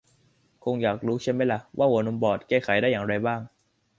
คงอยากรู้ใช่ไหมล่ะ ว่าหัวนมบอดแก้ไขได้อย่างไรบ้าง